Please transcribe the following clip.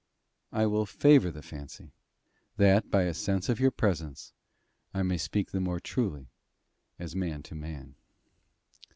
I will favour the fancy, that, by a sense of your presence, I may speak the more truly, as man to man.